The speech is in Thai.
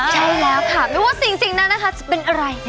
ใช่แล้วค่ะไม่ว่าสิ่งนั้นนะคะจะเป็นอะไร